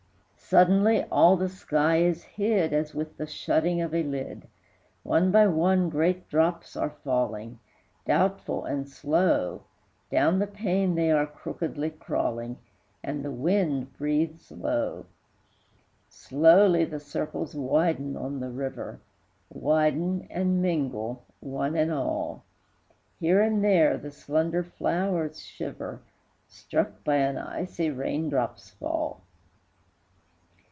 Suddenly all the sky is hid As with the shutting of a lid, One by one great drops are falling Doubtful and slow, Down the pane they are crookedly crawling, And the wind breathes low; Slowly the circles widen on the river, Widen and mingle, one and all; Here and there the slenderer flowers shiver, Struck by an icy rain drop's fall.